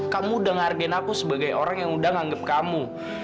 kamu dengerin aku sebagai orang yang udah nganggep kamu